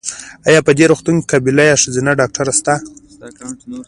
ایا په دي روغتون کې قابیله یا ښځېنه ډاکټره سته؟